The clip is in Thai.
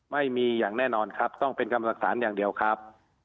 ไม่มีอย่างแน่นอนครับต้องเป็นคำสั่งสารอย่างเดียวครับ